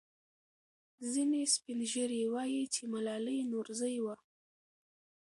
ځینې سپین ږیري وایي چې ملالۍ نورزۍ وه.